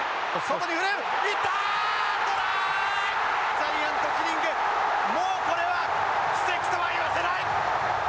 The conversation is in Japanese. ジャイアントキリング、もうこれは奇跡とは言わせない。